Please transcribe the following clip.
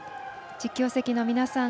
実況席の皆さん